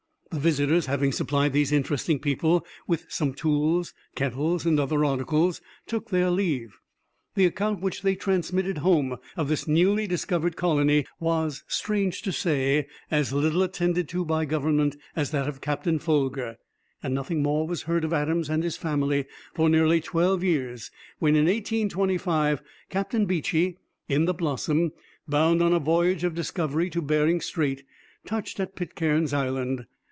The visitors having supplied these interesting people with some tools, kettles, and other articles, took their leave. The account which they transmitted home of this newly discovered colony was, strange to say, as little attended to by government as that of Captain Folger, and nothing more was heard of Adams and his family for nearly twelve years, when, in 1825, Captain Beechey, in the Blossom, bound on a voyage of discovery to Behring Strait, touched at Pitcairn's Island.